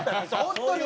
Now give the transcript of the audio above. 本当に。